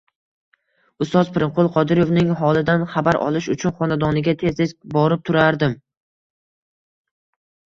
Ustoz Pirimqul Qodirovning holidan xabar olish uchun xonadoniga tez-tez borib turardim